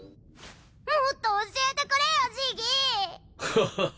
もっと教えてくれよジギー！ハハハ！